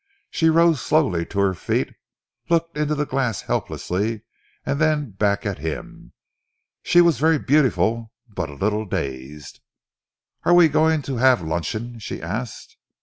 She rose slowly to her feet, looked in the glass helplessly and then back at him. She was very beautiful but a little dazed. "Are we going to have luncheon?" she asked.